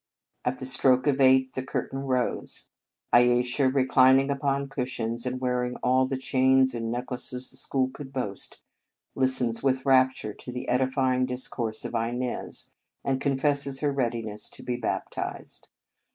At the stroke of eight the cur tain rose. Ayesha, reclining upon cushions, and wearing all the chains and necklaces the school could boast, listens with rapture to the edifying discourse of Inez, and confesses her readiness to be baptized.